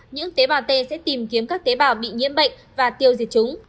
những tế bào t sẽ tìm kiếm các tế bào bị nhiễm bệnh và tiêu diệt chúng